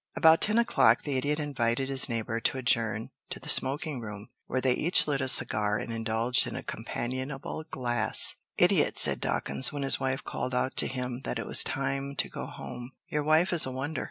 About ten o'clock the Idiot invited his neighbor to adjourn to the smoking room, where they each lit a cigar and indulged in a companionable glass. "Idiot," said Dawkins, when his wife called out to him that it was time to go home, "your wife is a wonder.